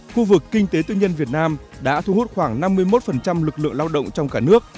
khu vực kinh tế tư nhân việt nam đã thu hút khoảng năm mươi một lực lượng lao động trong cả nước